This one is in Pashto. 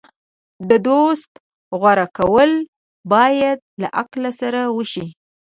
د دوست غوره کول باید له عقل سره وشي.